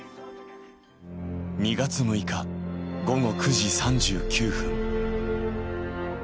２月６日、午後９時３９分。